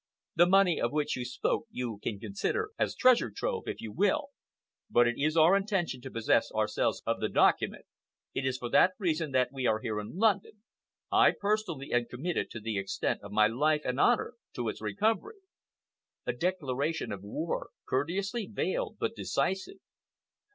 The money of which you spoke you can consider as treasure trove, if you will, but it is our intention to possess ourselves of the document. It is for that reason that we are here in London. I, personally, am committed to the extent of my life and my honor to its recovery." A declaration of war, courteously veiled but decisive.